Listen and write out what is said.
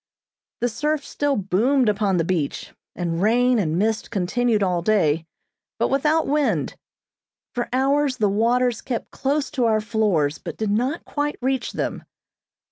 The surf still boomed upon the beach, and rain and mist continued all day, but without wind. For hours the waters kept close to our floors, but did not quite reach them.